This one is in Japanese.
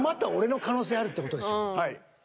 はい。